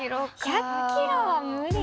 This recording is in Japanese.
１００キロは無理？